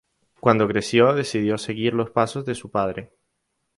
Cuando creció decidió seguir los pasos de su padre.